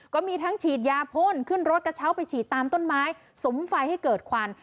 ก็มีทั้งฉีดยาพ่นขึ้นรถกระเช้าไปฉีดตามต้นไม้สุมไฟให้เกิดควัน